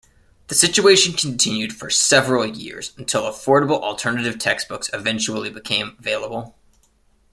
The situation continued for several years, until affordable alternative textbooks eventually became available.